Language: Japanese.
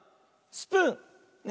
スプーン